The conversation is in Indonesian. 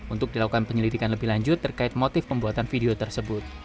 untuk dilakukan penyelidikan lebih lanjut terkait motif pembuatan video tersebut